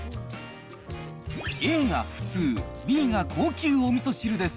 Ａが普通、Ｂが高級おみそ汁です。